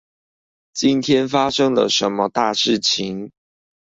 今天發生了什麼大事情